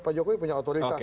pak jokowi punya otoritas